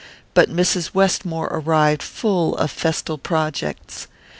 But Mrs. Westmore arrived full of festal projects.